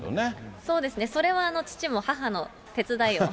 そうですね、それは父も母の手伝いを。